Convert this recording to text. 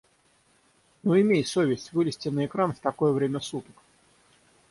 Ну имей совесть! Вылезти на экран в такое время суток...